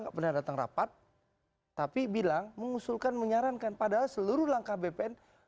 nggak pernah datang rapat tapi bilang mengusulkan menyarankan padahal seluruh langkah bpn